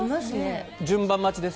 順番待ちです。